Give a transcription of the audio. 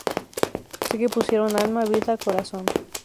Se que pusieron alma, vida corazón.